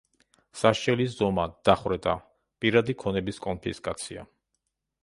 სასჯელის ზომა: დახვრეტა, პირადი ქონების კონფისკაცია.